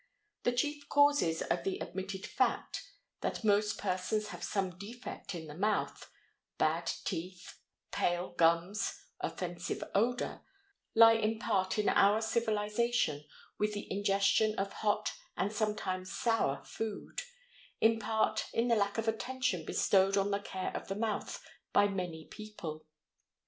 The chief causes of the admitted fact that most persons have some defect in the mouth—bad teeth, pale gums, offensive odor—lie in part in our civilization with the ingestion of hot and sometimes sour food, in part in the lack of attention bestowed on the care of the mouth by many people.